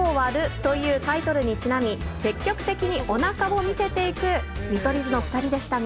というタイトルにちなみ、積極的におなかを見せていく見取り図の２人でしたが。